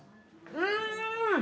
うん！